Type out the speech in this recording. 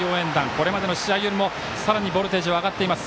これまでの試合よりも、さらにボルテージは上がっています。